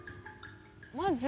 まず。